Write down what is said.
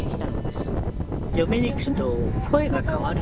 嫁に行くと声が変わる。